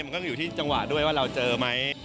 มันก็อยู่ที่จังหวะด้วยว่าเราเจอไหม